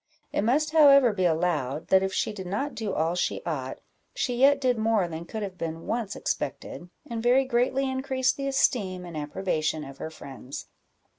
It must however be allowed, that if she did not do all she ought, she yet did more than could have been once expected, and very greatly increased the esteem and approbation of her friends.